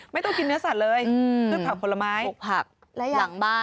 ไม่ต้องกินเนื้อสัตว์เลยพืชผักผลไม้ปลูกผักหลังบ้าน